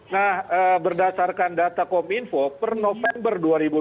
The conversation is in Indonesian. nah berdasarkan data kominfo per november dua ribu dua puluh